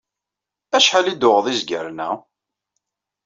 Acḥal i d-tuɣeḍ izgaren-a?